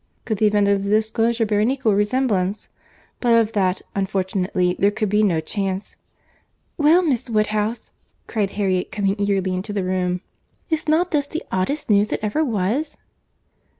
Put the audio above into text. Could the event of the disclosure bear an equal resemblance!—But of that, unfortunately, there could be no chance. "Well, Miss Woodhouse!" cried Harriet, coming eagerly into the room—"is not this the oddest news that ever was?"